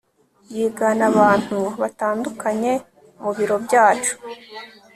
yigana abantu batandukanye mu biro byacu